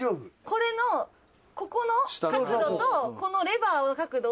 これのここの角度とこのレバーの角度を合わせる。